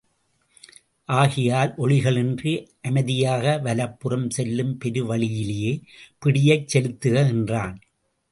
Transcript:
ஆகையால் ஒலிகளின்றி அமைதியாக வலப் புறம் செல்லும் பெருவழியிலே பிடியைச் செலுத்துக என்றான்.